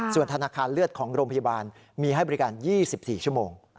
ส่วนธนาคารเลือดของโรงพยาบาลมีให้บริการ๒๔ชั่วโมง